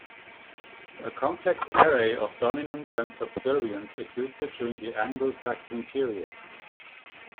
A complex array of dominance and subservience existed during the Anglo-Saxon period.